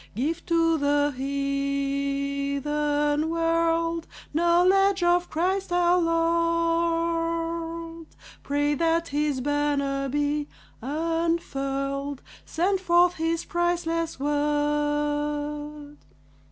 Give to the heathen world Knowledge of Christ our Lord; Pray that his banner be unfurled; Send forth, his priceless word.